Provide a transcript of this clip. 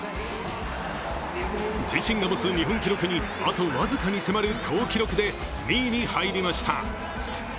自身が持つ日本記録にあと僅かに迫る好記録で２位に入りました。